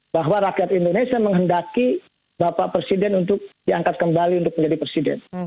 bahwa rakyat indonesia menghendaki bapak presiden untuk diangkat kembali untuk menjadi presiden